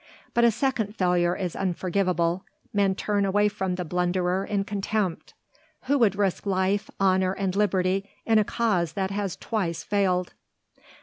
But a second failure is unforgivable, men turn away from the blunderer in contempt. Who would risk life, honour and liberty in a cause that has twice failed?